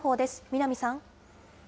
南さん。